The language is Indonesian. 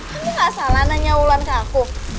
kamu nggak salah nanya ulan ke aku